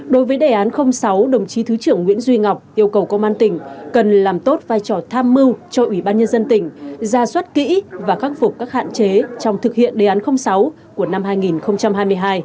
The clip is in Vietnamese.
đối với đề án sáu đồng chí thứ trưởng nguyễn duy ngọc yêu cầu công an tỉnh cần làm tốt vai trò tham mưu cho ủy ban nhân dân tỉnh ra suất kỹ và khắc phục các hạn chế trong thực hiện đề án sáu của năm hai nghìn hai mươi hai